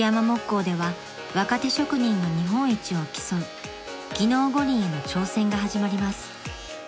木工では若手職人の日本一を競う技能五輪への挑戦が始まります］